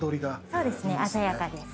そうですね鮮やかです。